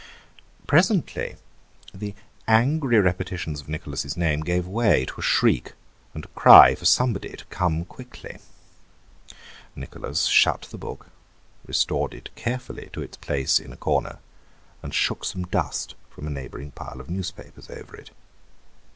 Presently the angry repetitions of Nicholas' name gave way to a shriek, and a cry for somebody to come quickly. Nicholas shut the book, restored it carefully to its place in a corner, and shook some dust from a neighbouring pile of newspapers over it.